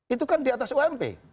itu kan di atas ump